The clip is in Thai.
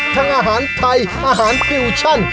อาหารไทยอาหารฟิวชั่น